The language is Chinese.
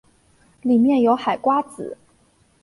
里面有海瓜子